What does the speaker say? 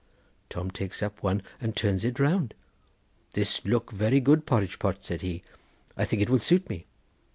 Tom takes up one and turns it round. 'This looks very good porridge pot,' said he; 'I think it will suit me.